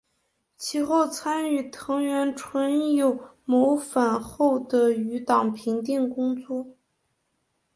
其后参与藤原纯友谋反后的余党平定工作。